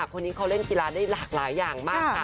คนนี้เขาเล่นกีฬาได้หลากหลายอย่างมากค่ะ